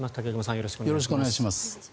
よろしくお願いします。